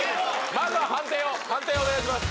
まずは判定を判定をお願いします